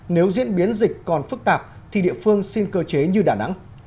nếu diễn biến dịch còn phức tạp thì địa phương xin cơ chế như đà nẵng